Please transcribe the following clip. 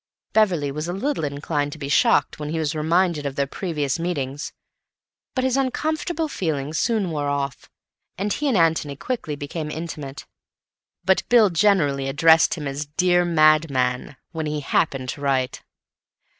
Beverley was a little inclined to be shocked when he was reminded of their previous meetings, but his uncomfortable feeling soon wore off, and he and Antony quickly became intimate. But Bill generally addressed him as "Dear Madman" when he happened to write.